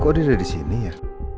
kok dia disini ya